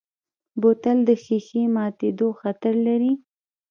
بوتل د ښیښې ماتیدو خطر لري.